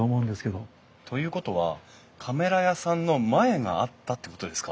ということはカメラ屋さんの前があったってことですか？